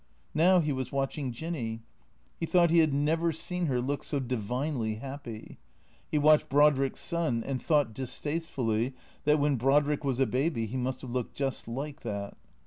Now he was watching Jinny. He thought he had never seen her look so divinely happy. He watched Brodrick's son and thought distastefully that when Brodrick was a baby he must have looked just like that.